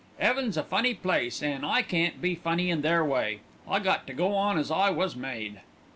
'Eaven's a funny place, an' I can't be funny in their way. I got to go on as I was made."